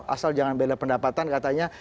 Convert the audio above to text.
asal jangan beda pendapatan katanya